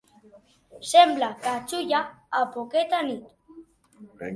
Semblar ca Xulla a poqueta nit.